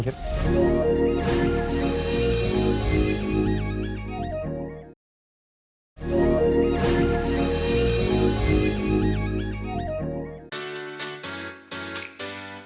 jadi kita berhasil menjualnya